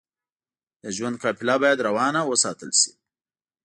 د ژوند قافله بايد روانه وساتل شئ.